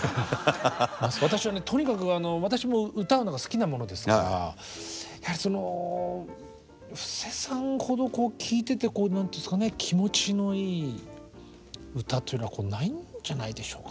私はねとにかく私も歌うのが好きなものですからやはりその布施さんほど聴いていてこう何ていうんですかね気持ちのいい歌というのはないんじゃないでしょうかね。